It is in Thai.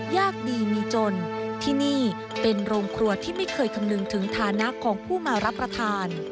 ยากดีมีจนที่นี่เป็นโรงครัวที่ไม่เคยคำนึงถึงฐานะของผู้มารับประทาน